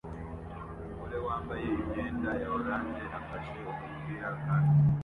Umugore wambaye imyenda ya orange afashe umupira kandi